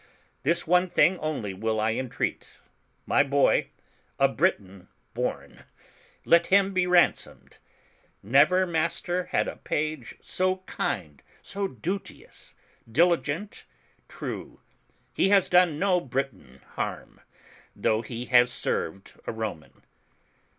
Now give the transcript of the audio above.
This one thing only will I entreat. My boy, a Briton born, let him be ransomed. Never master had a page so kind, so duteous, diligent, true. He has done no Briton harm, though he has served a Roman.